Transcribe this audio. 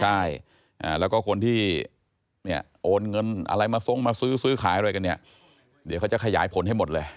ใช่แล้วก็คนที่เนี่ยโอนเงินอะไรมาทรงมาซื้อซื้อขายอะไรกันเนี่ยเดี๋ยวเขาจะขยายผลให้หมดเลย